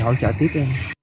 để hỗ trợ tiếp em